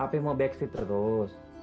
api mau backseat terus